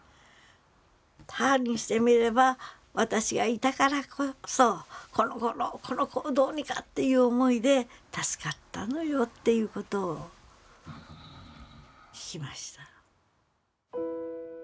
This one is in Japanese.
母にしてみれば私がいたからこそ「この子をどうにか」という思いで助かったのよっていう事を聞きました。